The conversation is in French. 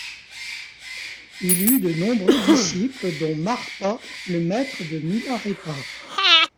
Il eut de nombreux disciples dont Marpa le maître de Milarépa.